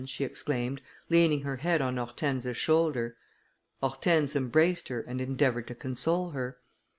she exclaimed, leaning her head on Hortense's shoulder. Hortense embraced her, and endeavoured to console her.